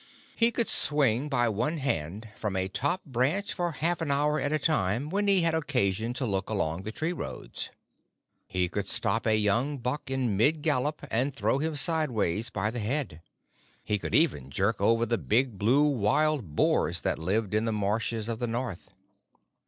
He could swing by one hand from a top branch for half an hour at a time, when he had occasion to look along the tree roads. He could stop a young buck in mid gallop and throw him sideways by the head. He could even jerk over the big, blue wild boars that lived in the Marshes of the North.